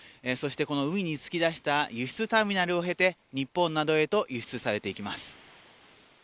そしてこの海に突き出した輸出ターミナルを経て、日本などへと輸出されていきます。